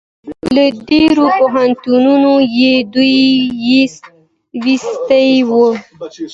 له ډېرو پوهنتونو یې دوړې ویستې وې.